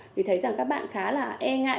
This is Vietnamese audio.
thì thấy rằng các bạn khá là e ngại